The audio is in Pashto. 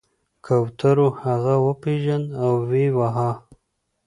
کوترو هغه وپیژند او ویې واهه.